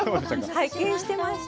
拝見してました。